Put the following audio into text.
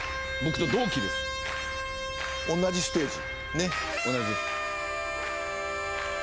同じステージ。